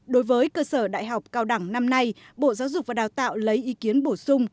đối với cơ sở đại học cao đẳng năm nay bộ giáo dục và đào tạo lấy ý kiến bổ sung